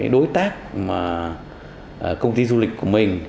đối tác công ty du lịch của mình